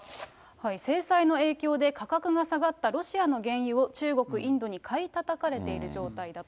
制裁の影響で価格が下がったロシアの原油を、中国、インドに買いたたかれている状態だと。